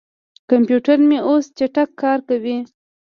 کمپیوټر مې اوس چټک کار کوي.